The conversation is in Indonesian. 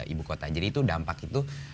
ibu kota jadi itu dampak itu